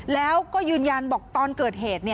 แล้วก็ยืนยันบอกตอนเกิดเหตุ